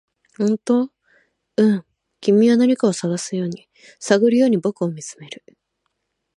「本当？」「うん」君は何かを探るように僕を見つめる